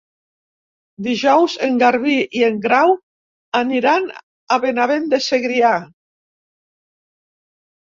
Dijous en Garbí i en Grau aniran a Benavent de Segrià.